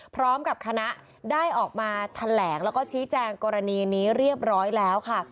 พร้อมกับคณะได้ออกมาแถลงแล้วก็ชี้แจงกรณีนี้เรียบร้อยแล้วค่ะ